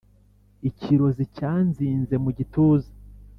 ikirozi cyanzize mu gituza